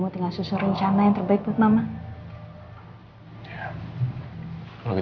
aku mau siapin barang barang mama dulu ya